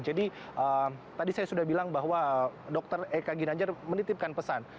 jadi tadi saya sudah bilang bahwa dokter eka ginanjar menitipkan pesan